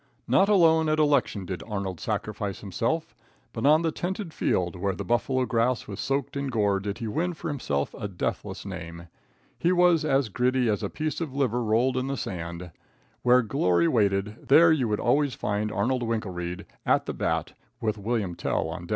Not alone at election did Arnold sacrifice himself, but on the tented field, where the buffalo grass was soaked in gore, did he win for himself a deathless name. He was as gritty as a piece of liver rolled in the sand. Where glory waited, there you would always find Arnold Winkelreid at the bat, with William Tell on deck.